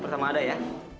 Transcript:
pertama ada ya